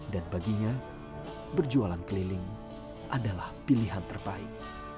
dan baginya berjualan keliling adalah pilihan terbaik